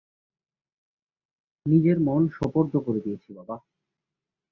নিজের মন সোপর্দ করে দিয়েছি, বাবা।